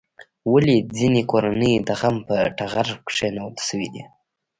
ولې ځینې کورنۍ د غم په ټغر کېنول شوې دي؟